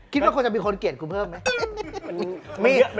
คิดว่าควรจะมีคนเกลียดกูเพิ่มไหม